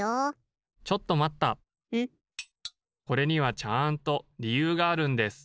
・これにはちゃんとりゆうがあるんです。